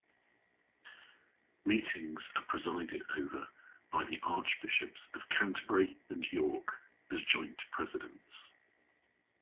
Meetings are presided over by the Archbishops of Canterbury and York as joint presidents.